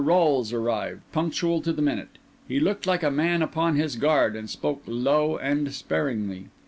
Rolles arrived, punctual to the minute; he looked like a man upon his guard, and spoke low and sparingly.